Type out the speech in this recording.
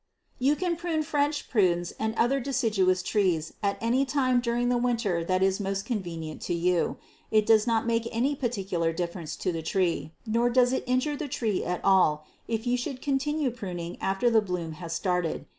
You can prune French prunes and other deciduous trees at any time during the winter that is most convenient to you. It does not make any particular difference to the tree, nor does it injure the tree at all if you should continue pruning after the bloom has started.